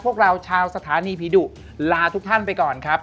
พวกเราชาวสถานีผีดุลาทุกท่านไปก่อนครับ